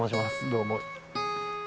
どうも。